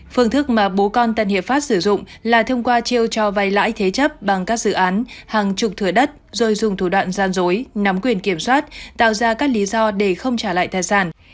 phương thức mà bố con tân hiệp pháp sử dụng là thông qua chiêu cho vay lãi thế chấp bằng các dự án hàng chục thừa đất rồi dùng thủ đoạn gian dối nắm quyền kiểm soát tạo ra các lý do để không trả lại tài sản